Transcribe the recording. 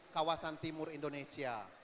kawasan timur indonesia